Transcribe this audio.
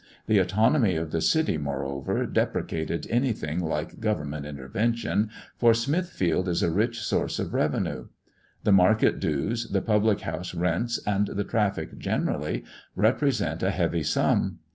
The autonomy of the city, moreover, deprecated anything like government intervention, for Smithfield is a rich source of revenue; the market dues, the public house rents, and the traffic generally, represent a heavy sum.